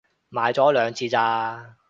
買咗兩次咋